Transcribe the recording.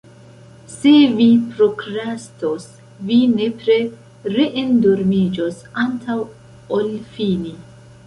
Se vi prokrastos, vi nepre re-endormiĝos antaŭ ol fini.